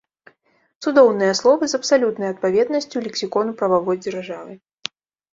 Цудоўныя словы з абсалютнай адпаведнасцю лексікону прававой дзяржавы.